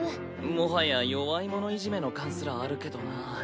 もはや弱い者いじめの感すらあるけどな。